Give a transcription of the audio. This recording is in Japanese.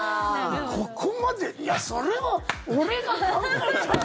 ここまでいや、それは俺が考えたんだ